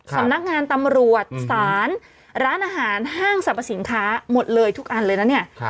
สำนักงานตำรวจศาลร้านอาหารห้างสรรพสินค้าหมดเลยทุกอันเลยนะเนี่ย